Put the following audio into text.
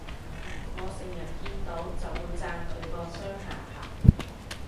我成日見到就會讚佢個雙下巴